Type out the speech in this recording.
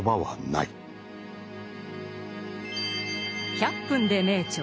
「１００分ｄｅ名著」